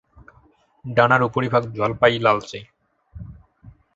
ডানার উপরিভাগ জলপাই-লালচে।